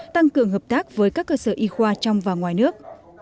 tăng cường hợp tác với các cơ sở y khoa trong và ngoài nước